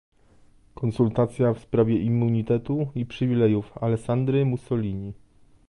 Konsultacja w sprawie immunitetu i przywilejów Alessandry Mussolini